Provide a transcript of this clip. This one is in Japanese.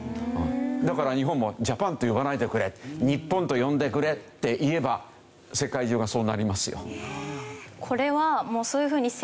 だから日本もジャパンと呼ばないでくれニッポンと呼んでくれって言えば世界中がそうなりますよ。